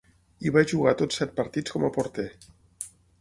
Hi va jugar tots set partits com a porter.